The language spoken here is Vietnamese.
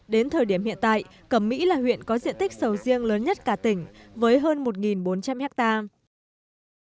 đến thời điểm hiện tại cẩm mỹ là huyện có diện tích sầu riêng lớn nhất cả tỉnh với hơn một bốn trăm linh hectare